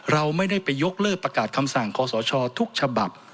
เราไม่ได้ไปยกเลิกประกาศคำสั่งคอสชทุกฉบับ